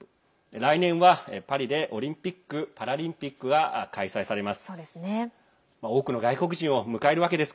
来年はパリでオリンピック・パラリンピックが開催されます。